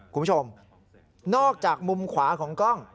คุณผู้ชมนอกจากมุมขวาของกล้อง